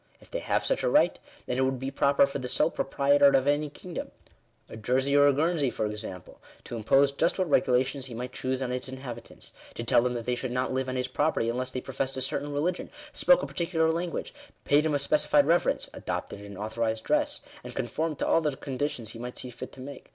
If they have such a right, then it would be pro per for the sole proprietor of any kingdom — a Jersey or Guern sey, for example — to impose just what regulations he might choose on its inhabitants — to tell them that they should not live on his property, unless they professed a certain religion, spoke a particular language, paid him a specified reverence, adopted an authorized dress, and conformed to all other conditions he might see fit to make.